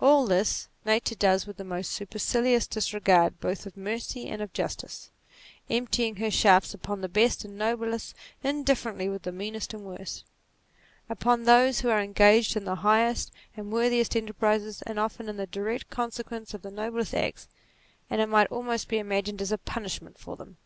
All this, Nature does with the most supercilious disregard both of mercy and of justice, emptying her shafts upon the best and noblest indifferently with the meanest and worst ; upon those who are engaged in the highest and worthiest enterprises, and often as the direct con sequence of the noblest acts; and it might almost be imagined as a punishment for them.